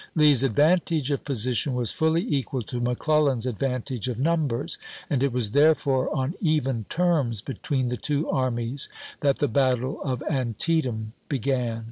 Lee's advantage of position was fully equal to McClellan's advantage of num bers ; and it was therefore on even terms between the two armies that the battle of Antietam began.